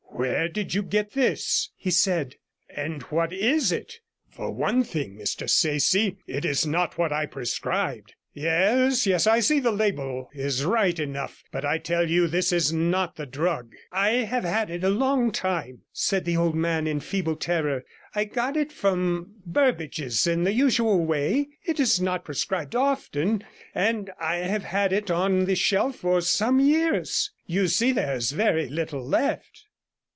'Where did you get this?' he said, 'and what is it? For one thing, Mr Sayce, it is not what I prescribed. Yes, yes, I see the label is right enough, but I tell you this is not the drug.' 'I have had it a long time,' said the old man in feeble terror; 'I got it from Burbage's in the usual way. It is not prescribed often, and I have had it on the shelf for some years. You see there is very little left.'